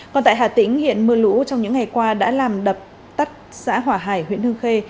còn tại hà tĩnh hiện mưa lũ trong những ngày qua đã làm đập tắt xã hỏa hải huyện hương khê